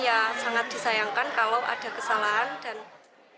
ya sangat disayangkan kalau ada kesalahan dan